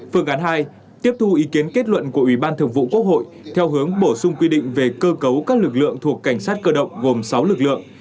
phương án hai tiếp thu ý kiến kết luận của ủy ban thường vụ quốc hội theo hướng bổ sung quy định về cơ cấu các lực lượng thuộc cảnh sát cơ động gồm sáu lực lượng